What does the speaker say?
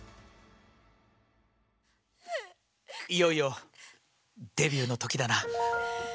いよいよデビューの時だな。